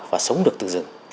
và sống được từ rừng